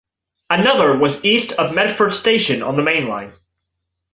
Another was east of Medford Station on the Main Line.